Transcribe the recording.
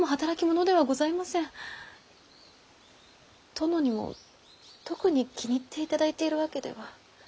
殿にも特に気に入っていただいているわけでは。